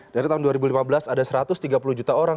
dari tahun dua ribu lima belas ada satu ratus tiga puluh juta orang